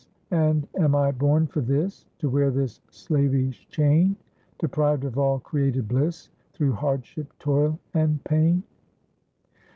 and am I born for this, To wear this slavish chain? Deprived of all created bliss, Through hardship, toil, and pain?